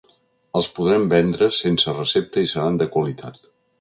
Els podrem vendre sense recepta i seran de qualitat.